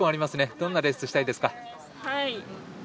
どんなレースしたいですか。